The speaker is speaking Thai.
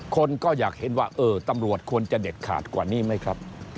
คนก็อยากเห็นว่าเออตำรวจควรจะเด็ดขาดกว่านี้ไหมครับ